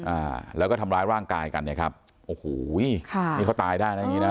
อ่าแล้วก็ทำร้ายร่างกายกันเนี่ยครับโอ้โหค่ะนี่เขาตายได้นะอย่างงี้นะ